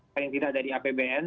paling tidak dari apbn